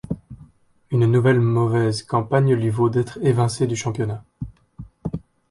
Une nouvelle mauvaise campagne lui vaut d'être évincé du championnat.